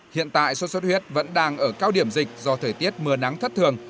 hiện tại sốt xuất huyết vẫn đang ở cao điểm dịch do thời tiết mưa nắng thất thường